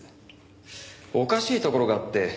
おかしいところがあって。